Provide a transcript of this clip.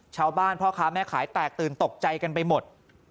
พ่อค้าแม่ขายแตกตื่นตกใจกันไปหมด